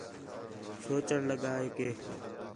سوچݨ لڳا ہے کہ